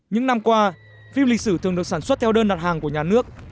những năm qua phim lịch sử thường được sản xuất theo đơn đặt hàng của nhà nước